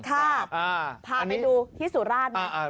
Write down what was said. ครับภาพให้ดูที่สุราชน์นี่